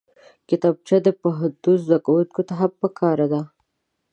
کتابچه د پوهنتون زدکوونکو ته هم پکار ده